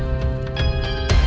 yaudah saya kesana